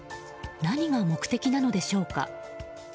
何が目的なのでしょうか。